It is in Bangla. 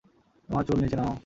তোমার চুল নিচে নামাও।